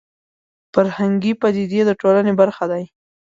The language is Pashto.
فرهنګي پدیدې د ټولنې برخه دي